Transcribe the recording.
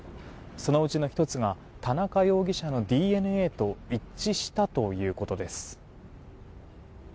そのうちの１つが田中容疑者のＤＮＡと一致したということです。